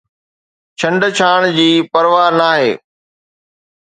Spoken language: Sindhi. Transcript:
ڇنڊڇاڻ جي پرواهه ناهي